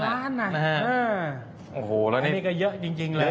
อันนี้ก็เยอะจริงเลย